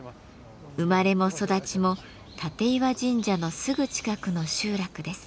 生まれも育ちも立石神社のすぐ近くの集落です。